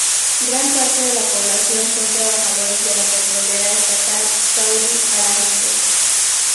Gran parte de la población son trabajadores de la petrolera estatal Saudi Aramco.